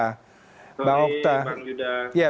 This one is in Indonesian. selamat sore bang yuda